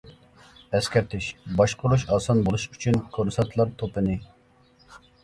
ئەسكەرتىش : باشقۇرۇش ئاسان بولۇش ئۈچۈن كۇرسانتلار توپىنى.